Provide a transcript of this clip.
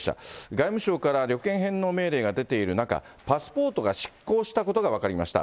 外務省から旅券返納命令が出ている中、パスポートが失効したことが分かりました。